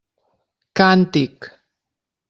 Càntic.